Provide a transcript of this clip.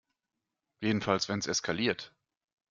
Jedenfalls, wenn es eskaliert.